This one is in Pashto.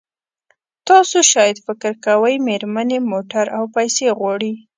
تاسو شاید فکر کوئ مېرمنې موټر او پیسې غواړي.